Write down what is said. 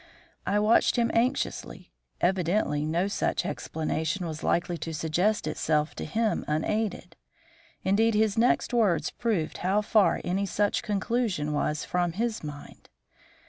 I watched him anxiously. Evidently no such explanation was likely to suggest itself to him unaided. Indeed, his next words proved how far any such conclusion was from his mind.